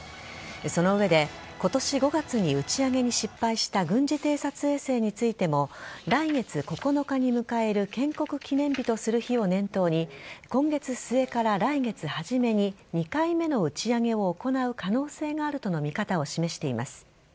その上で今年５月に打ち上げに失敗した軍事偵察衛星についても来月９日に迎える建国記念日とする日を念頭に今月末から来月初めに２回目の打ち上げを行う可能性があるとの見方を示しています。